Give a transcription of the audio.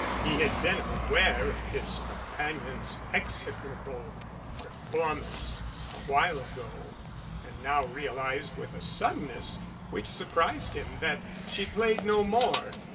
He had been aware of his companion's execrable performance a while ago, and now realized with a suddenness which surprised him that she played no more.